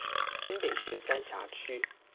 新北市三峽區